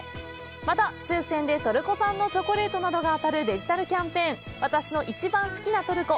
また、抽選でトルコ産のチョコレートなどが当たるデジタルキャンペーン「私の一番好きなトルコ」